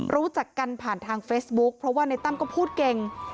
รู้จักกันผ่านทางเฟซบุ๊คเพราะว่าในตั้มก็พูดเก่ง